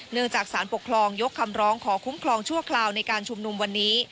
จากสารปกครองยกคำร้องขอคุ้มครองชั่วคราวในการชุมนุมวันนี้